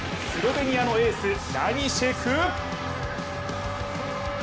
スロベニアのエース、ラニシェク。